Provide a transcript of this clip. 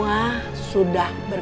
mesti dia gambar